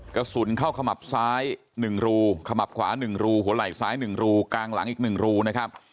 กระสุนเข้าขมับซ้าย๑รูขมับขวา๑รูหัวไหล่ซ้าย๑รูกลางหลังอีก๑รูนะครับ